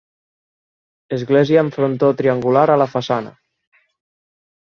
Església amb frontó triangular a la façana.